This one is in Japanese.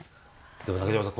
でも中島さん